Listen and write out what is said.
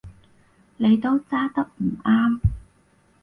你都揸得唔啱